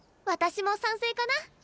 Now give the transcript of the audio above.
私も賛成かな。